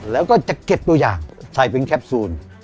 แล้วก็จะเก็บตัวอย่างใส่เป็นแคปซูล